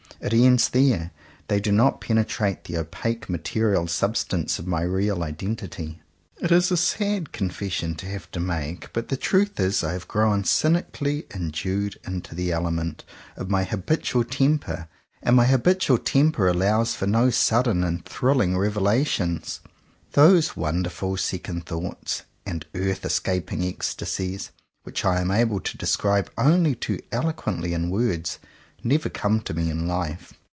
It ends there. They do not penetrate the opaque material substance of my real identity. 122 JOHN COWPER POWYS It is a sad confession to have to make, but the truth is I have grown cynically "endued unto the element" of my habitual temper; and my habitual temper allows for no sudden and thrilling revelations. Those wonderful second thoughts and earth escap ing ecstasies, which I am able to describe only too eloquently in words, never come to me in life.